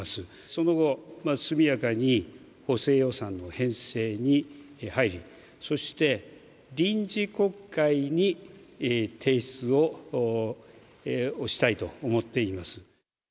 その後、速やかに補正予算の編成に入り、そして、臨時国会に提出をしたいと思っています。